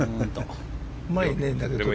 うまいね、だけど。